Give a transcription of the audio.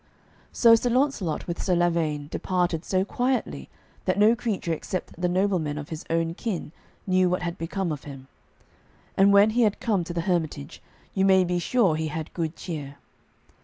So Sir Launcelot with Sir Lavaine departed so quietly that no creature except the noble men of his own kin knew what had become of him. And when he had come to the hermitage, you may be sure he had good cheer.